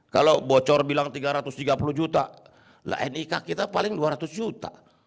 kalau bocor bilang tiga ratus tiga puluh juta nik kita paling dua ratus juta